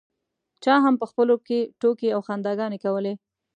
چا هم په خپلو کې ټوکې او خنداګانې کولې.